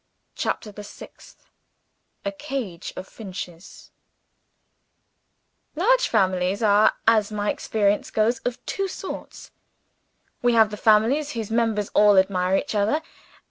CHAPTER THE SIXTH A Cage of Finches LARGE families are as my experience goes of two sorts. We have the families whose members all admire each other.